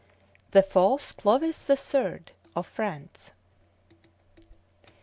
THE FALSE CLOVIS THE THIRD OF FRANCE.